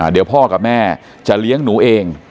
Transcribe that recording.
เดี๋ยวพ่อกับแม่จะเลี้ยงหนูเอง